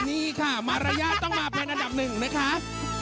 นี่ค่ะเมตรราย่าต้องมาแพรมอันดับ๑นะคะ